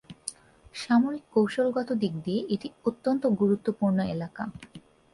সামরিক কৌশলগত দিক দিয়ে এটি অত্যন্ত গুরুত্বপূর্ণ এলাকা।